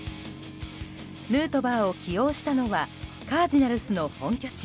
ヌートバーを起用したのはカージナルスの本拠地